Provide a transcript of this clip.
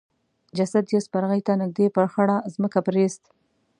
جسد يې سپرغي ته نږدې پر خړه ځمکه پريېست.